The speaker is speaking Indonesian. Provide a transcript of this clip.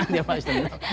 dia masih dendam